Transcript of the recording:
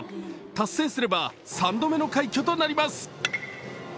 達成すれば３度目の快挙となります